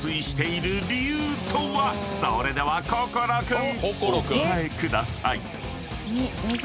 ［それでは心君お答えください］